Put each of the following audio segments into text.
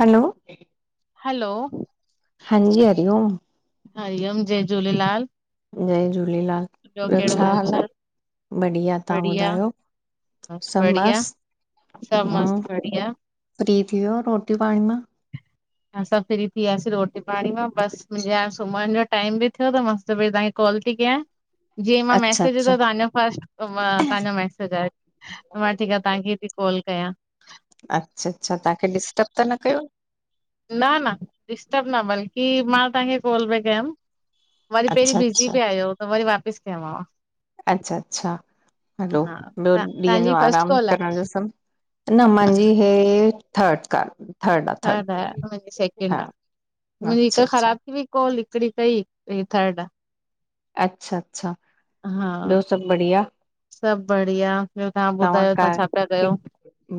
हलो hello हांजी, हरिओम हरिओम जय झूलेलाल जय झूलेलाल ॿियो छा हाल आ? बढ़िया तव्हां बढ़िया, ॿुधायो? बस सभु बढ़िया मस्त सभु मस्त हूं, बढ़िया। फ्री थी वियो रोटी पाणी मां? असां फ्री थी वियासीं रोटी पाणी मां बसि मुंहिंजेहाणे सुम्हण जो टाइम बि थियो त मां सोचो पहरी तव्हांखे कॉल थी कयां जीअं मां अच्छा मैसेज अच्छा विधो त तव्हांजो फस्ट तव्हांजो मैसेज आहे। मां ठीकु आ तव्हांखे थी कॉल कयां। अच्छा अच्छा तव्हांखे डिस्टब त न कयो? न न डिस्टर्ब न बल्की मां तव्हांखे कोल पे कयम। वरी पहिरीं अच्छा बिज़ी अच्छा पे आयो त वरी वापसि कयमांव। अच्छा अच्छा हलो हा, ॿियो त ॾींहं तव्हांजी जो फस्ट आराम कॉल आ? करण जो सभु न मुंहिंजी हे थर्ड क [inaudible] थर्ड आहे मुंजी सेकेंड आहे मुंजी अच्छा हिकु अच्छा ख़राब थी वई कोल हिकड़ी कई हे थर्ड आ। अच्छा अच्छा हा ॿियो सभु बढ़िया? सभु बढ़िया ॿियो तव्हां ॿुधायो तव्हां छा पिया कयो?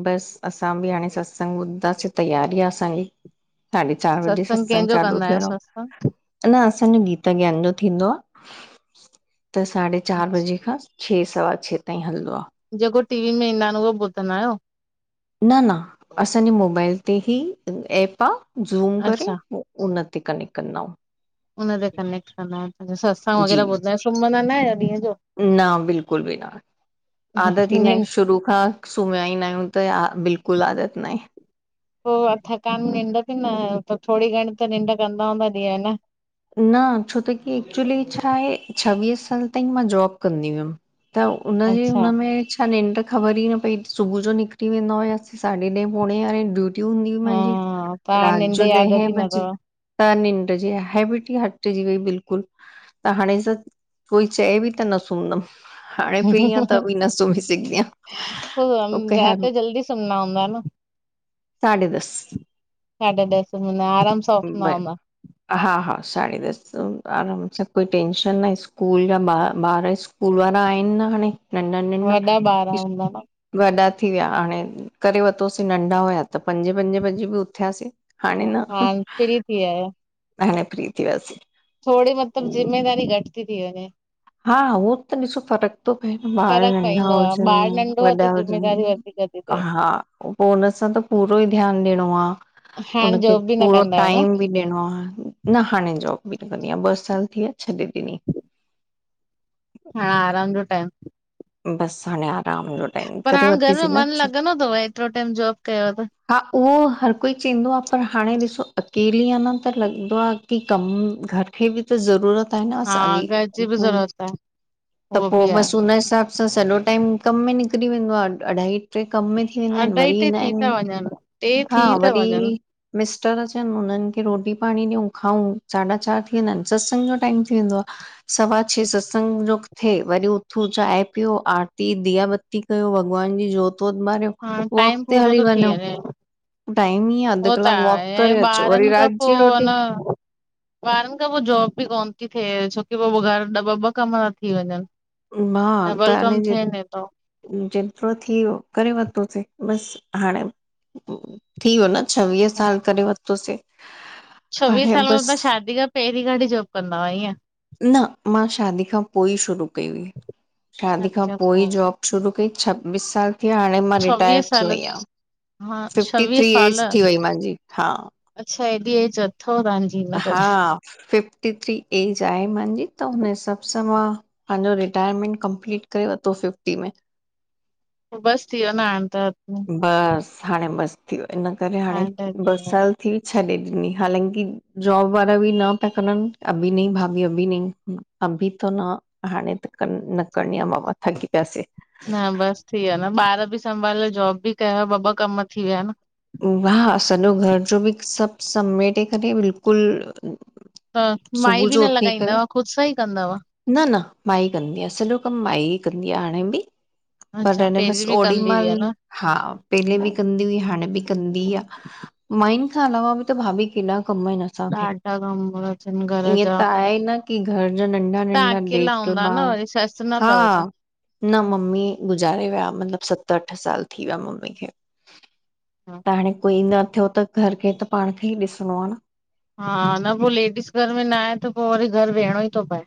बसि असां बि हाणे सत्संग ॿुधदासीं तयारी आ असांजी। साढे चार बजे सत्संग कंहिंजो चालू कंदा आहियो थियणो सत्संग आ। अञ असांजो गीता ज्ञान जो थींदो आ त साढे चार अच्छा, बजे खां छह सवा छह ताईं हलंदो आ। जेको टी वी में ईंदा आहिनि उहो ॿुधंदा आहियो? न न असांजे मोबाइल ते ई ऐप आ ज़ूम करे अच्छा उनते कनेक्ट कन्दायूं। उन ते कनेक्ट कन्दायो आहिनि सतसंग जी वग़ैरह ॿुधदायो, सुम्हंदा न आहियो ॾींहं जो? न बिल्कुलु बि न आदत ई नाहे निंड शुरू खां सुम्हिया ई न आहियूं त बिल्कुलु आदत नाहे। पो थकान निंड बि न थोरी घणी त निंड कंदा हूंदा ॾींहं जो न? न छो त की एक्चुली छा आहे छवीह साल ताईं मां जॉब कंदी हुयमि त हुनजी अच्छा हुनमें अ निंड त ख़बर ई न पई सुबुह जो निकिरी वेंदा हुयास साढे ॾह पोणे यारहें ड्यूटी हूंदी हुई हा मुंहिंजी तव्हां रात निंड जो यादि ॾहे अची न बजे त निंड जी हेबिट हटजी वई बिल्कुलु त हाणे कोई चए बि त न सुमंदमि। हाणे फ्री आ अथव त बि न सूंमी सघदीया। पो रात जो जल्दी सुमदा हूंदा न? साढे दस साढे ॾहें सुमदा हूंदा, आराम सां ब उथंदा हूंदा। हा हा साडी दस त आराम सां कोई टेंशन न आहे स्कूल जा ॿार स्कूल वारा आहिन न हाणे। नंढा नंढ वॾा ॿार इस हूंदा न वॾा थी विया हाणे करे वरितोसीं नंढा हुया त। त पंजे पंजे बजे बि उथियासीं हाणे न थी आया। हाणे फ्री थी वियासी। थोड़ी मतिलब जिम्मेदारी घट ती थी वञे। हा उहो त ॾिसो फ़र्क थो पए न ॿार फ़र्क़ु नंढा पईंदो आ हुजनि ॿार नंढो आ त वॾा हुजनि। ज़िमेदारी वधीक थी थिए हा पो हुन सां त पूरो ई ध्यान ॾियणो आ। हाणे हुनखे जॉब बि न पूरो कंदा आहियो न टाइम बि ॾियणो आ। न हाणे जॉब बि न कंदी आहियां ॿ साल थी विया छॾे ॾिनी। हाड़ आराम जो टाइम बस हाणे आराम जो टाइम पर करे हाण घर वरितीसीं में न मन लॻंदो ट्ज़व एतिरो टाइम जॉब कयो त हा उहो हर कोई चईंदो आ पर हाणे ॾिसो अकेली आ न त लॻदो आ की कम घर ही भी त ज़रूरत आहे न हा असांजी घर जी बि हम्म ज़रूरत आ त उहो पो बि आ बस हुन हिसाब असां सॼो टाइम कम में निकिरी वेंदो आ अढाई ट्रे कम में थी थी वेंदा आहिन अढाई वरी टे ईंदा थी था आहिन वञनि टे हा थी था वरी वञनि मिस्टर अचन उन्हनि खे रोटी पाणी ॾियूं खाऊं साढा चार थी वेंदा आहिन, सत्संग जो टाइम थी वेंदो आ। सवा छए सत्संग जो थिए वरी उथूं चाय पियो आरती दीया बती कयो भॻवान जी जोत जोत बारियो हा वॉक टाइम ते पूरो हली थो थी वञो। वञे टाइम ई आ अध उहो त कलाक वॉक आहे ऐं करे अचो वरी ॿारनि रात जी रोटी। ॿारन खां पो जॉब बि कोन थी थिए छोकी पोइ घर ॿ ॿ कम था थी वञनि मां त डबल आड़ए। कम थिए न थो। जेतिरो थी वियो करे वरितोसीं बस हाणे थी वियो न छवीय साल करे वरतोसे। छवीय साल मतलब शादी खां पहिरीं खां वठी जॉब कंदा हुआ इअं न मां शादी खां पोइ ई शुरू कई हुई, शादी खां पोइ जॉब शुरू कई छब्बीस साल थी विया हाण हाण मां छवीह रिटायर थी वई साल आहियां, हा फिफ्टी छवीह थ्री साल एज थी वई मांजी हा अच्छा हेॾी एज अथव तहांजी? हा फिफ्टी थ्री एज आहे मांजी त हुन हिसाब सां मां पंहिंजो रिटायरमेंट कंपलीट करे वतो फिफ्टी में बसि थीयो न हाण त बस हाणे बस थी वयो इन करे हाणे ॿ साल बि छॾे ॾिनी हालांकी जॉब वारा बि न पिया करन अभी नहीं भाभी अभी नहीं अभी थो न हाणे त क न करणी आहे बाबा थकी पियासीं। न बस थी विया न, ॿार बि संभाले जॉब बि कयव, ॿ ॿ कम थी विया न वाह सॼो घर जो बि सब समेटे करे बिल्कुल हा माई बि न लॻाईंदा वा ख़ुद सां ई कंदा हुआ। न न माई कंदी आ सॼो कम माई कंदी आ हाणे बि पर अच्छा अने बसि पहिरीं बि कंदी ओडीमल हुई न? हा पहले बि कंदी हुई हाणे बि कंदी आ माइन खां अलावा बि त भाभी केॾा कम आहिन असांखे ॾाढा कम अथनि घर ईअं जा। त आए ई न की घर जा नंढा नंढा देखभाल हा, सुनातव छा? न मम्मी गुज़ारे विया, मतिलबु सत अठ साल थी विया मम्मी खे हा त हाणे कोई न थियो त घर खे त पाण खे ई ॾिसणो आ न हा न पोइ लेडीस घर में न आहे त पोइ वरी घर वेहणो ई थो पए।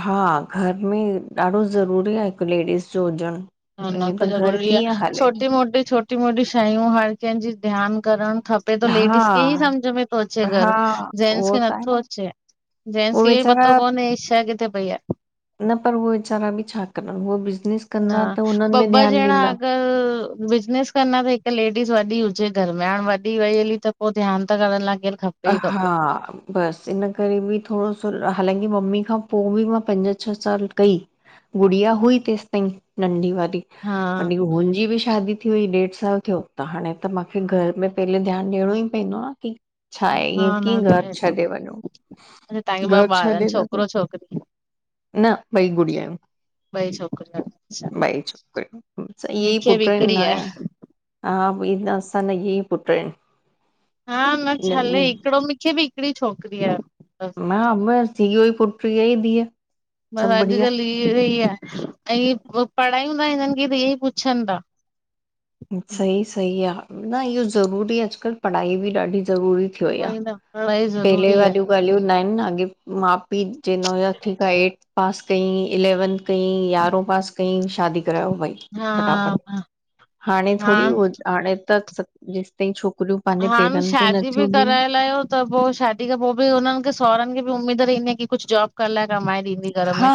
हा, घर में ॾाढो ज़रूरी आहे हिकु लेडीस जो हुजण। न न ईअं त घर ज़रूरी कीअं आहे हले छोटी मोटी छोटी मोटी शयूं हर कंहिंजी ध्यानु करणु खप पे तो हा लेडीस खे ई समझ में थो अचे हा घर जेंट्स उहो खे त आहे नथो न अचे। जेन्स उहे खे इयो ई वेचारा तो कोने ही छऐ किथे पई आहे न पर उहे विचारा बि छा कंदा उहे बिज़नेस कंदा त हुनन्हनि में ध्यानु ॾींदा हा ह बिज़नेस कंदा त हिकु लेडीस वॾी हुजे घर में हाणे वॾी वई हली त पोइ ध्यानु त करण लाइ केरु खपे ई खपे हा बसि इन करे बि थोरो सो हालांकि मम्मी खां पोइ बि मां पंज छह साल कई गुड़िया हुई तेसि ताईं नंढी वारी हा ऐं होन जी बि शादी थी हुई ॾेढ साल थियो त हाणे त मूंखे घर में पहले ध्यानु ॾियणो ई पवंदो कि छा आहे हा ईअं न कीअं घर थिए थो छॾे वञो अच्छा तव्हांखे ॿ घर छॾे ॿार आहिनि नथो छोकिरो छोकिरी न ॿई गुड़ियायूं ॿई छोकिरियूं आहिनि। अच्छा ॿई छोकरियूं ईएं ही मूंखे बि पुट न हिकिड़ी आहे हा उही न असांॼा एई पुट्र आहिनि हा न छले हिकिड़ो मूंखे बि हिकिड़ी छोकिरी आ हा बस ईहो पुट् ईह धीअ न बसि अॼुकल्ह इहो आहे ऐं पढ़ायूं न हिननि खे त इहे ई पुछनि था सही सही आहे न इहो ज़रूरी आहे अॼुकल्ह पढ़ाई बि ॾाढी ज़रूरी उहोई आ उई न पढ़ाई पहले ज़रूरी आहे वालियूं ॻाल्हियूं न आहिनि अॻे माउ पीउ चईदां हुया ठीकु आहे हेएठ पास कयईं इलैवंथ कईं ग्यारहों पास कयईं शादी करायो भई हा फटाफट हा हाणे थोरी उहो हाणे त जेसिताईं छोकिरियूं पंहिंजे हाण पेरनि ते शादी बि नथियूं बीहनि कराए लायो त पोइ शादी खां पोइ बि हुननि खे सहुरनि खे बि उमेीद रहंदी की कुझु जॉब कर लाई कमाए ॾींदी घर हा में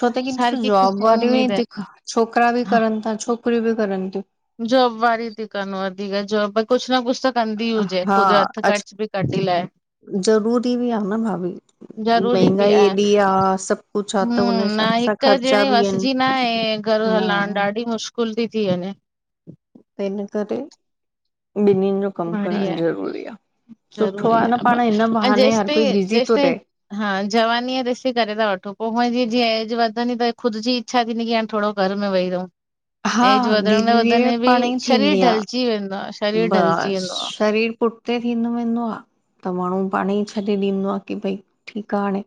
छो त हर ईंशुल [unintelligible] कंहिंखे जॉब वारि उमीद आहे हुईथी खां छोकिरा बि हा करनि था छोकिरियूं बि करनि थियूं जॉब वारीतियूं कन वधीक जॉब कुझु न कुझु त कंदी हुजे हा, ख़ुदि हथ अच खर्च बि कढी लाए ज़रूरी बि आ न भाभी महांगाई एॾी आहे सभु कुछु आ त हु हुन न हिसाब सां हिक ख़र्चा ॼणे बि आहिनि। वसिजी न आहे घरु हलाइणु न, ॾाढी मुश्किल कुल थी थी अञे त हिन करे ॿिन्नि जो कमु बढ़िया करणु आहे, ज़रूरी आहे सुठो ज़रूरी आहे न ब- पाण हिन ऐं बहाने जेसि हर कोई ताईं बिज़ी जेसि थो ताईं रहे हा जवानीअ ॾिसी करे था वठो पोइ हूअ जीअं वधंदी त ख़ुदि ॼी इच्छा थीनिकी हाण थोर घर में वेही रहूं हा, ऐं वधण धीरे में धीरे वधंदे बि पाण ई शरीरु थींदी आ। ढलजी वेंदो आहे शरीर ढलजी बस, वेंदो आहे शरीर पुठिते थीदों वेदों आ त माण्हू पाण ई छॾे ॾींदो आहे की भई ठीकु आहे हाणे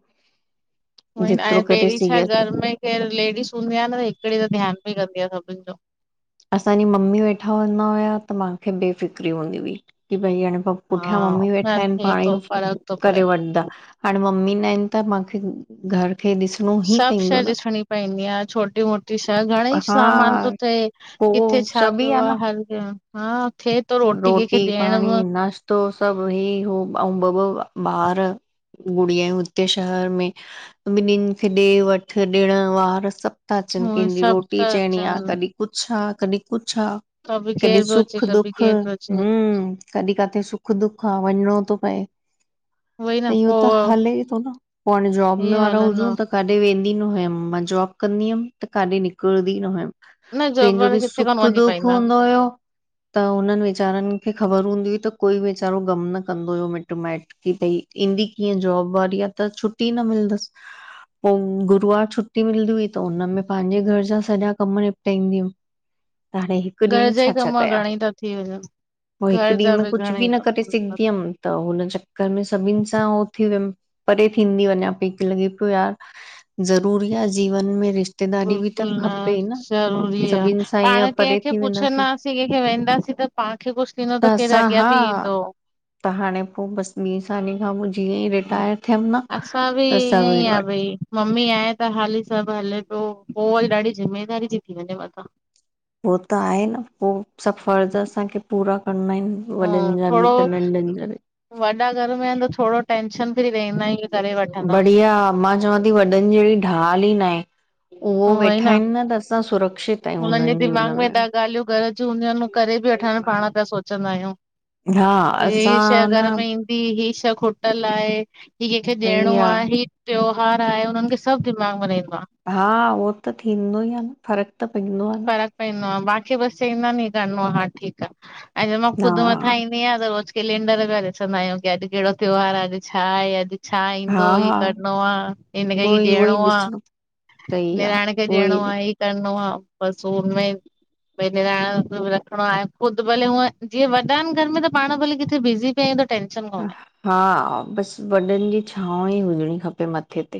उई न जेतिरो आहे करे पहिरी छा सघियसि। घर में केर लेडीस हूंदी आहे न हिकिड़े त ध्यानु बि कंदी आहे सभिनि जो असांजी मम्मी वेठा हूंदा हुया त मांखे बेफ़िक्री हूंदी हुई की भई हाणे पप हा पुठियां मम्मी न वेठा आहिनि थिए पाण थो ई फ़र्क थो पए। करे वठंदा हाण मम्मी न आहिनि त माखे घर खें ॾिसण सभु शइ ॾिसणी पवंदी आ, छोटी, मोटी शइ घणेई हा सामान थो थिए पो किथे छा सभ ई पियो आ न हर [unintelligible] हा थिए थो रोटी कंहिंखे ॾियणव त सभु हे उ [unintelligible] ऐं ॿ ॿ ॿार गुड़ियाूं हुते शहर में ॿिन्हिनि खे ॾे वठु ॾिण वार, सभु ता अचनि उहे कंहिंजी सभु रोटी था चइणी आ अचनि, कॾहिं। कुझु आ कॾहिं कुझु आ। कभी केर पो अचें कभी हा केरु पियो हु अचे। कॾहिं काथे सुख- दुख आ वञिणो थो पए। उहोई न इहो पो त हले थो न पोइ हाणे जॉब में ईअं वारा हलंदो हुजूं आ, त काॾे वेंदी न हुयमि मां जॉब कंदी हुयमि त काॾे निकिरंदी न हुयमि। न जॉब कंहिंजो वारा बि किथे कोन सुख वञी दुख पाईंदा आहिनि। हूंदो हुयो त हुननि वीचारनि खे ख़बर हूंदी हुई त कोई वीचारो ग़मु न कंदो हुयो मिटु माइट्र की भई ईंदी कीअं जॉब वारी आ त छुटी न मिलंदसि पो गुरुवार छुटी मिलंदी हुई त हुनमें पंहिंजे घर जा सॼा कम निपटाईंदी वमि। [unintelligible] घर जा ई कम घणेई था थी वञनि। पोइ हिकु घर जा ॾींहं में कुझु बि घणेई न करे सघंदी यमि। त हुन चक्कर में सभिनि सां हो थी वियमि परे थींदी वञा पई त लॻे पियो यार ज़रूरी आ जीवन में रिश बिल्कुलु न ज़रूरी आ सभिनि सां ईअं पाण परे कंहिंखे थी पुछे वेंदासीं न असीं कंहिंखे वेंदासीं त पाणखे कुझु थींदो त केरु असां अॻियां हा बि ईंदो त हाणे पोइ बसि ॿीं साले खां पोइ जीअं ई हा रिटायर थियमि न असां बि त ईअं सभी ई आ वटि भई मम्मी आहे त हाली सभु हले पियो पोइ वरी ॾाढी ज़िमेदारी ती थी वञे मथां। उह त आहे न उह सफर त असांखे पूरा करणा आहिनि। वॾनि ऐं जा भी थोड़ो त नंढनि जा री वॾा घर में आहिनि त थोरो टेंंशन फ्री रहंदा आहिनि हिय। बढ़िया मां चवां थी वॾनि जहिॾी ढाल ई न आहे। उहो वेठा आहिनि न त असां सुरक्षित आहियूं हुननि जे उन्हनि जी दिमाग़ में हुनमें। ॾह [unintelligible] करे बि वठण पाण त सोचंदा आहियूं हा ह शइ असां न घर में ई के हे शइ खुटल आहे ही कंहिंखे ॾियणो सही आ आहे त्योहार आहे, हुननि खे सभु दिमाग़ मे रहीईंदो आ। हा उहो त थींदो ई आ न, फ़र्क़ु त पवंदो आ न। फकॅ पईदो आ बाक़ी बसि चवंदा ही करिणो आ हा ठीकु आ, ऐं मां हा ख़ुदि मथां ईंदी आहियां त रोज कैलेंडर पिया ॾिसंदा आहियूं की अॼु कहिड़ो त्योहार आ अॼु छा आहे अॼ छा हा ईंदो ई हा करणो आ हिनखे ई उहोई उहोई ॾियणो आ। ॾिसणो सही आ निणान खे उहोई ॾियणो आहे ई करिणो आ, बस हुनमें भई निणान रखिणो आहे ख़ुदि भले हूअं जीअं वॾा आहिनि घर में त पाण भले किथे बिज़ी ॿे जो टेन्शन कोनहे। हा बसि वॾनि जी छांव ई हुजणी खपे मथे ते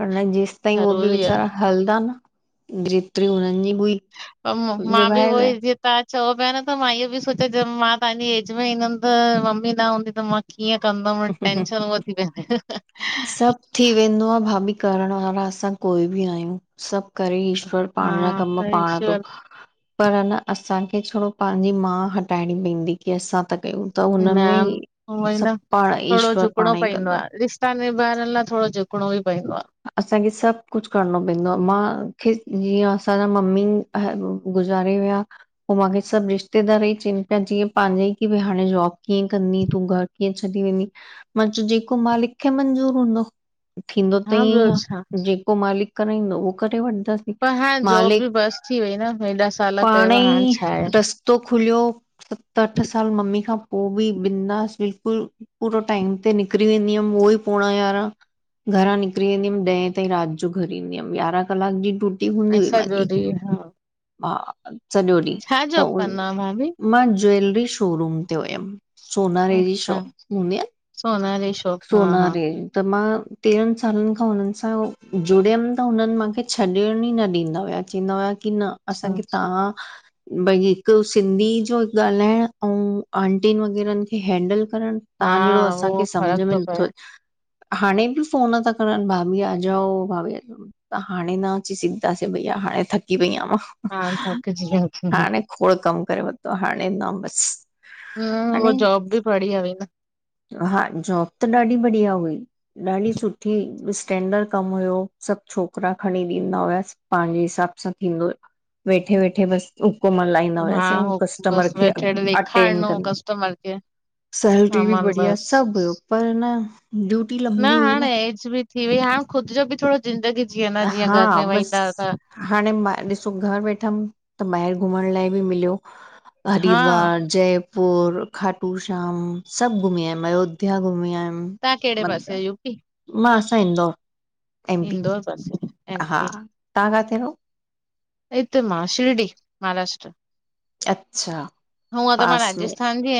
हुनन जी ताईं उह बि ज़रूरी आ, वेचारा हलंदा न जेतिरी हुननि जी हुई हु मां बि निभाए ऊहोई विया जी तवा चओ पिया न त मां इहो बि सोचियां जे मां तव्हांजी एज में ईंदमि त मम्मी न हूंदी त मा कीअं कंदमि टेंशन उअ थी वेद सभु थी वेंदो आहे भाभी करण वारा असां कोई बि नाहियूं सभु करे ईश्वर पाण जा हा कम पाण थो कईश्वर पर न असांखे छा पंहिंजी मा हटाइणी पवंदी की असां त कयूं त न हुनमें उहोई सभु पाण ईश्वर पाण ई कंदो रिश्तनि निभारण लाइ थोरो झुकणो ई पवंदो आ असांखे सभु कुझु करणो पवंदो आ माखे जीअं असांजा मम्मी अ ऊ गुज़ारे विया पोइ मूंखे सभु रिश्तेदार ई चवनि पिया जीअं पंहिंजा ई की भई हाणे जॉब कीअं कंदी तूं घरु कीअं छॾी वेंदी मां चयो जेको मालिक खे मंज़ूर हूंदो थींदो त हा ईअं ॿियो ई छा, आहे जेको मालिक कराईंदो उहो करे वठंदसि पर हाणे जॉब मालिक बि बस थी वई न हेॾा साल पाण कयव हाणे ई छा आहे। रस्तो खुलियो सत अठ साल मम्मी खां पोइ बि बिन्दास बिल्कुल पूरो टाइम ते निकिरी वेंदी हुयमि उहो ई पोणा यारांह घरां निकिरी वेंदी हुयमि ॾहें ताईं राति जो घरु ईंदी हुअमि यारहां क्लाक जी ड्यूटी हूंदी ऐं हुई सॼो मुंहिंजी ॾींहुं हा, हा सॼो ॾींहुं छा त जॉब उ कंदा आयो भाभी? मां ज्वैेलरी शोरूम ते हुयमि सोनारे जी अच्छा, शॉप हूंदी आहे न सोनारी शॉप हा हा सोनारे जी त मां तेरहं सालनि खां हुननि सां जुड़ियमि त हुननि मूंखे छॾण ही न ॾींदा हुया चवंदा हुआ की न अच्छा। असांखे तव्हां भई हिकु सिंधी जो ॻाल्हाइण ऐं आंटियुनि वग़ैरनि खे हैंडल करणु तव्हां जहिड़ो हा असांखे उहो सम्झ फ़र्क में थो पए, नथो अचे हाणे बि फ़ोन ता करेन करेन भाभी आ जाओ भाभी त त हाणे न अची सघिंदासीं भईया हाणे थकी पई आहियां मां हा थक जी [unintelligible] हाणे खोड़ कमु करे वरितो हाणे न बस‌ हम हू जॉब बि बढिया हुई न हा जॉब त ॾाढी बढ़िया हुई ॾाढी सुठी स्टैंडर्ड कम हुयो सभु छोकिरा खणी ॾींदा हुआसीं पंहिंजे हिसाब सां थींदो वेठे वेठे बसि हुकम हलाइ ईंदा हा हुआसीं ऐं हो कस्टमर बस खे वेठे अटेंड ॾेखारणो कंदा कस्टमर खे फैसिलिटी बि सामान बढ़िया बस। सभु हुयो पर न ड्यूटी लंबी हुई न कुझु बि थी वई हाणे ख़ुदि जो बि थोरो ज़िंदगी जीयो न जीअं हा घर में वेहंदा आहियो बसि त हाणे मां ॾिसो घरु वेठमि त ॿाहिरि घुमण लाइ बि मिलियो हा हरिद्वार जयपुर खाटू श्याम सभु घुमी आयमि अयोध्या घुमी आयमि तव्हां कहिड़े पासे जा मतिलबु आहियो यू पी मां असां इंदौर एम पी इंदौर पासे हा एमपी तव्हां किथे रहो त मां शिरडी महाराष्ट्र अच्छा हूंअ त मा पास में राजस्थान जी आहिया